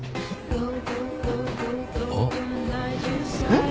あっ。